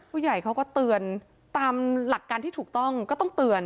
ผู้ใหญ่เขาก็เตือนตามหลักการที่ถูกต้องก็ต้องเตือน